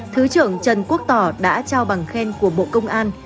thứ trưởng trần quốc tỏ đã trao bằng khen của bộ công an